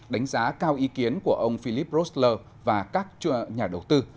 đánh giá cao ý kiến của ông philippe roessler và các nhà đầu tư